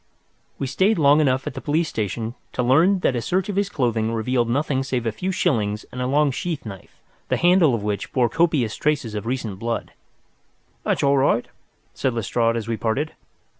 We stayed long enough at the police station to learn that a search of his clothing revealed nothing save a few shillings and a long sheath knife, the handle of which bore copious traces of recent blood. "That's all right," said Lestrade, as we parted.